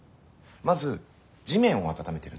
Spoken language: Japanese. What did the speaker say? まず地面を温めているんです。